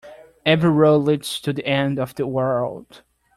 Every road leads to the end of the world.